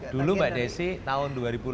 dulu mbak desi tahun dua ribu delapan